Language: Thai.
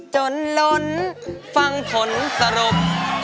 จนล้นฟังผลสรุป